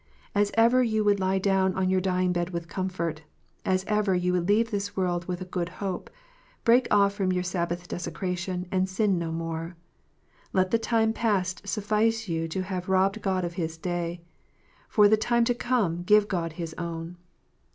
As ever you would lie down on your dying bed with comfort, as ever you would leave this world with a good hope, break off from your Sabbath desecration, and sin no more. Let the time past suffice you to have robbed God of His Day. For the time to come give God His own.